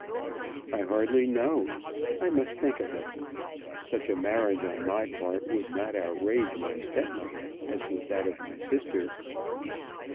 "I hardly know. I must think of it. Such a marriage on my part would not outrage my stepmother, as would that of my sister."